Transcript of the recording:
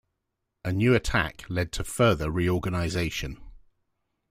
A new attack led to further reorganization.